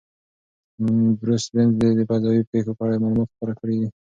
بروس بتز د دې فضایي پیښو په اړه معلومات خپاره کړي دي.